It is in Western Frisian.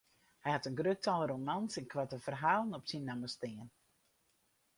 Hy hat in grut tal romans en koarte ferhalen op syn namme stean.